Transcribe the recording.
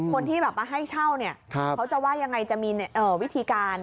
คนที่มาให้เช่าเนี่ยเขาจะว่ายังไงจะมีวิธีการ